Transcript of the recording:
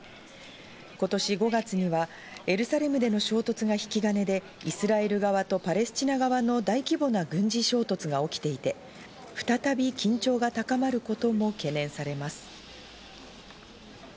今年５月にはエルサレムでの衝突が引き金でイスラエル側とパレスチナ側の大規模な軍事衝突が起きていて、再び緊張が高まることも懸念されます。